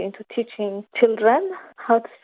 untuk mengajar anak anak